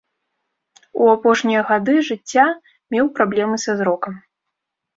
У апошнія гады жыцця меў праблемы са зрокам.